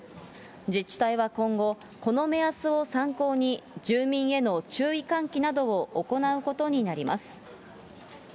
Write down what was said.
自治体は今後、この目安を参考に、住民への注意喚起などを行うことになります。